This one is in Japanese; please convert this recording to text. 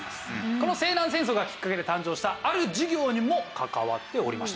この西南戦争がきっかけで誕生したある事業にも関わっておりました。